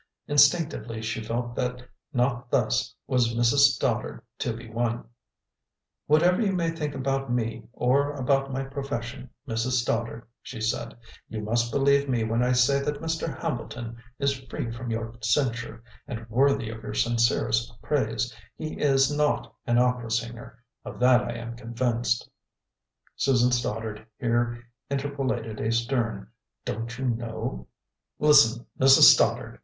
Instinctively she felt that not thus was Mrs. Stoddard to be won. "Whatever you may think about me or about my profession, Mrs. Stoddard," she said, "you must believe me when I say that Mr. Hambleton is free from your censure, and worthy of your sincerest praise. He is not an opera singer of that I am convinced " Susan Stoddard here interpolated a stern "Don't you know?" "Listen, Mrs. Stoddard!"